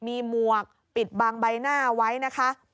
มีหมวกปิดบางใบหน้าไว้นะคะ